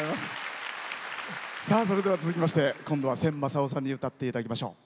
それでは続きまして今度は千昌夫さんに歌っていただきましょう。